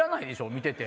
見てて。